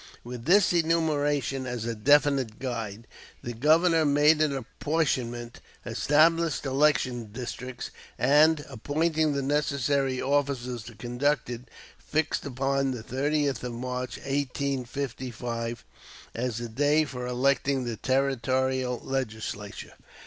With this enumeration as a definite guide, the Governor made an apportionment, established election districts, and, appointing the necessary officers to conduct it, fixed upon the 30th of March, 1855, as the day for electing the territorial legislature.